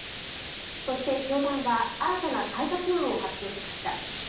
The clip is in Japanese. そして教団は新たな改革案を発表しました。